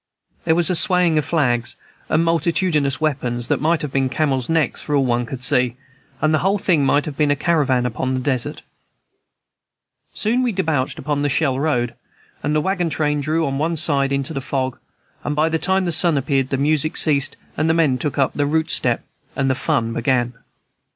There was a swaying of flags and multitudinous weapons that might have been camels' necks for all one could see, and the whole thing might have been a caravan upon the desert. Soon we debouched upon the "Shell Road," the wagon train drew on one side into the fog, and by the time the sun appeared the music ceased, the men took the "route step," and the fun began.